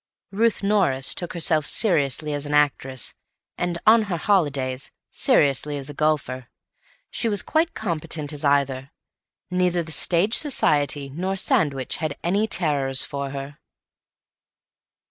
Ruth Norris took herself seriously as an actress and, on her holidays, seriously as a golfer. She was quite competent as either. Neither the Stage Society nor Sandwich had any terrors for her.